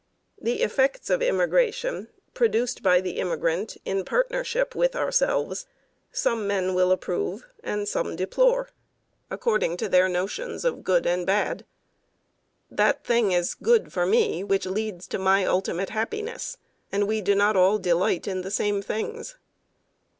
The effects of immigration, produced by the immigrant in partnership with ourselves, some men will approve and some deplore, according to their notions of good and bad. That thing is good for me which leads to my ultimate happiness; and we do not all delight in the same things.